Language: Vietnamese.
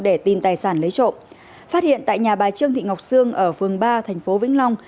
để tìm tài sản lấy trộm phát hiện tại nhà bà trương thị ngọc sương ở phường ba thành phố vĩnh long